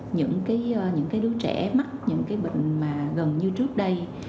những cái đứa trẻ mắc những cái bệnh mà gần như trước đây